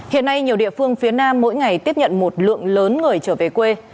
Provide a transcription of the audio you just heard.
hiện nay nhiều địa phương phía nam mỗi ngày tiếp nhận một lượng lớn người trở về quê